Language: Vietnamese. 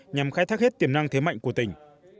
nhằm khai thác hết tiềm năng thế mạnh của tỉnh